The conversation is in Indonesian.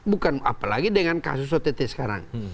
bukan apalagi dengan kasus ott sekarang